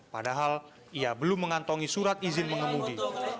padahal ia belum mengantongi surat izin mengemudi